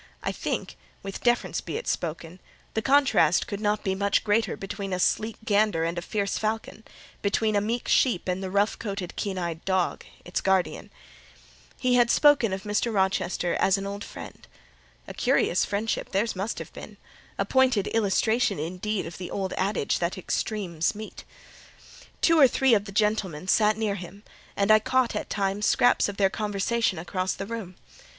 I think (with deference be it spoken) the contrast could not be much greater between a sleek gander and a fierce falcon: between a meek sheep and the rough coated keen eyed dog, its guardian. He had spoken of Mr. Rochester as an old friend. A curious friendship theirs must have been: a pointed illustration, indeed, of the old adage that "extremes meet." Two or three of the gentlemen sat near him, and I caught at times scraps of their conversation across the room.